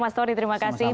mas tori terima kasih